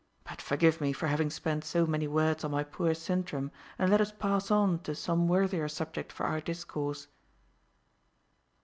But forgive me for having spent so many words on my poor Sintram, and let us pass on to some worthier subject for our discourse."